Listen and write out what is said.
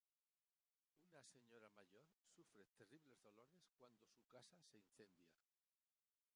Una señora mayor sufre terribles dolores cuando su casa se incendia.